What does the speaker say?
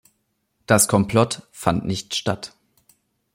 Das Komplott fand nicht statt.